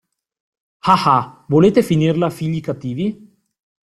Ah, ah, volete finirla, figli cattivi?